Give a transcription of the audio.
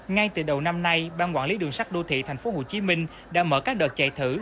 ngay từ đầu năm nay ban quản lý đường sắt đô thị tp hcm đã mở các đợt chạy thử